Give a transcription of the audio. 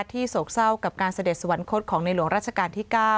โศกเศร้ากับการเสด็จสวรรคตของในหลวงราชการที่๙